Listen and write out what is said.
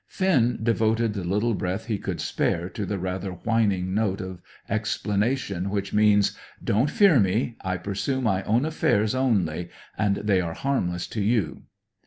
Finn devoted the little breath he could spare to the rather whining note of explanation which means: "Don't fear me! I pursue my own affairs only, and they are harmless for you!"